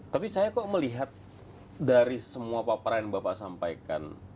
tapi saya kok melihat dari semua paparan yang bapak sampaikan